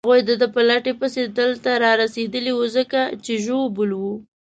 هغوی د ده په لټه پسې دلته رارسېدلي وو، ځکه چې ژوبل وو.